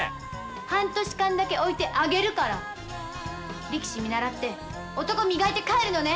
半年間だけ置いてあげるから力士見習って男磨いて帰るのね。